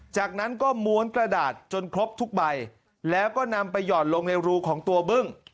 จากนั้นก็ม้วนกระดาษจนครบทุกใบแล้วก็นำไปห่อนลงในรูของตัวบึ้ง